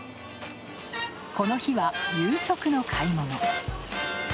この日は、夕食の買い物。